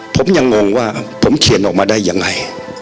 ผมยังงงว่าผมเขียนออกมาได้ยังไง